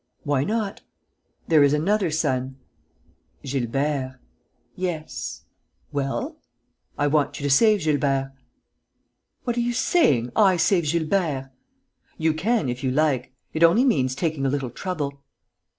"Why not?" "There is another son." "Gilbert." "Yes." "Well?" "I want you to save Gilbert." "What are you saying? I save Gilbert!" "You can, if you like; it only means taking a little trouble."